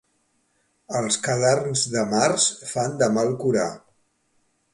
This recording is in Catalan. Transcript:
Els cadarns de març fan de mal curar.